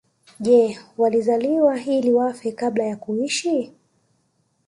Je walizaliwa ili wafe kabla ya kuishi